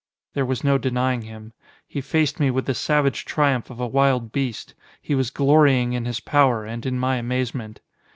There was no denying him. He faced me with the savage triumph of a wild beast. He was glorying in his power, and in my amazement.